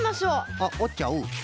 あっおっちゃう。